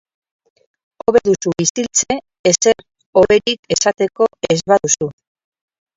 Hobe duzu isiltze ezer hoberik esateko ez baduzu.